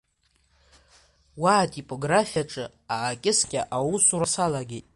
Уа атипографиаҿы аакьыскьа аусура салагеит.